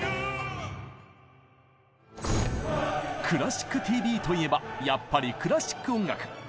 「クラシックＴＶ」といえばやっぱりクラシック音楽。